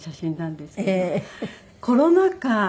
コロナ禍